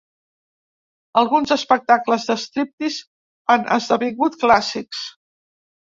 Alguns espectacles de striptease han esdevingut clàssics.